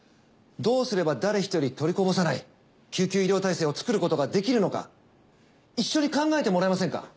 どうすれば誰ひとり取りこぼさない救急医療体制を作ることができるのか一緒に考えてもらえませんか？